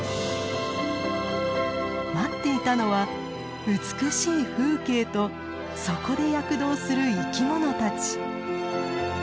待っていたのは美しい風景とそこで躍動する生き物たち。